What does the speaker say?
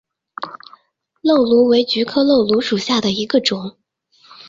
漏芦为菊科漏芦属下的一个种。